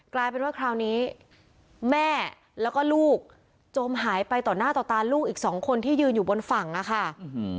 กลายเป็นว่าคราวนี้แม่แล้วก็ลูกจมหายไปต่อหน้าต่อตาลูกอีกสองคนที่ยืนอยู่บนฝั่งอะค่ะ